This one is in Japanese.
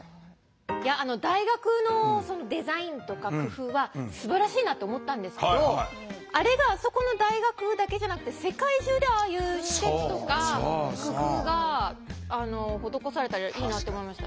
いや大学のデザインとか工夫はすばらしいなと思ったんですけどあれがあそこの大学だけじゃなくて世界中でああいう施設とか工夫が施されたらいいなと思いました。